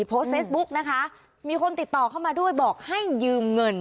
โพสต์เฟซบุ๊กนะคะมีคนติดต่อเข้ามาด้วยบอกให้ยืมเงิน